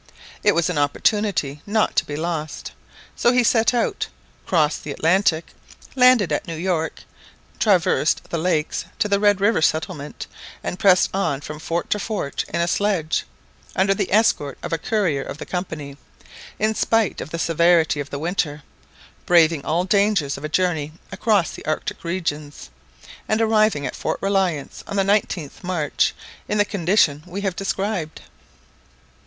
It was an opportunity not to be lost; so he set out, crossed the Atlantic, landed at New York, traversed the lakes to the Red River settlement, and pressed on from fort to fort in a sledge, under the escort of a courier of the Company; in spite of the severity of the winter, braving all the dangers of a journey across the Arctic regions, and arriving at Fort Reliance on the 19th March in the condition we have described.